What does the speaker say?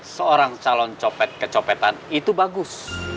seorang calon copet kecopetan itu bagus